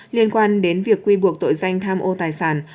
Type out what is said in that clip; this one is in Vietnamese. liên quan đến việc quy buộc tội danh tham ô tài sản